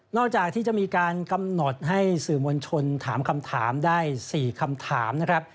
อกจากที่จะมีการกำหนดให้สื่อมวลชนถามคำถามได้๔คำถามนะครับ